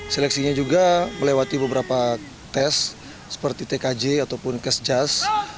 seleksinya juga melewati beberapa tes seperti tkj ataupun kesjas